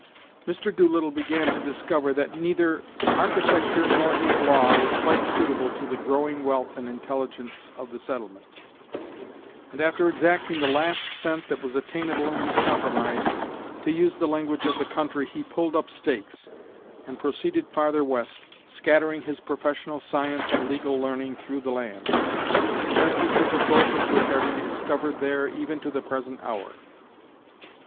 Mr. Doolittle began to discover that neither architecture nor his law was quite suitable to the growing wealth and intelligence of the settlement; and after exacting the last cent that was attainable in his compromise, to use the language of the country he "pulled up stakes," and proceeded farther west, scattering his professional science and legal learning through the land; vestiges of both of which are to be discovered there even to the present hour.